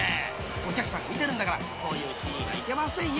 ［お客さんが見てるんだからこういうシーンはいけませんよ］